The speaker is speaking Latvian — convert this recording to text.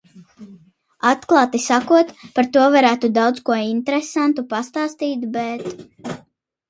Atklāti sakot, par to varētu daudz ko interesantu pastāstīt, bet...